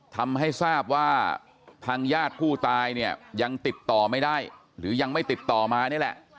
ทำให้ทราบว่าทางญาติผู้ตายเนี่ยยังติดต่อไม่ได้หรือยังไม่ติดต่อมานี่แหละ